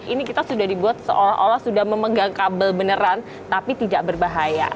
ini kita sudah dibuat seolah olah sudah memegang kabel beneran tapi tidak berbahaya